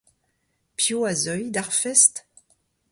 Piv a zeuy d'ar fest ?